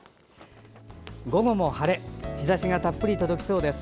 午後も晴れ日ざしがたっぷり届きそうです。